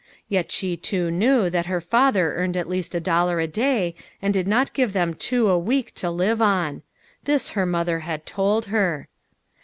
Yet she too knew that her father earned at least a dollar a day, and did not give them two a week to live on. This her mother had told her.